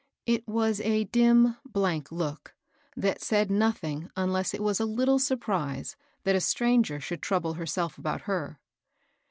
It was a dim, blank look, that said nothing unless it was a little surprise that a stranger should trouble herself about her.